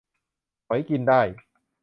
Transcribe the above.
หมอยกินได้